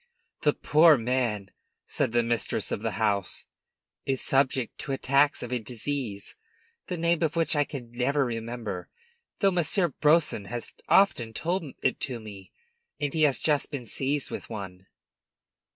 "The poor dear man," said the mistress of the house, "is subject to attacks of a disease the name of which I never can remember, though Monsieur Brousson has often told it to me; and he has just been seized with one."